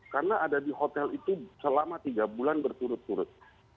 karena ada di hotel itu selama tiga bulan berturut turut